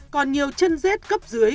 còn nhiều chân rết cấp dưới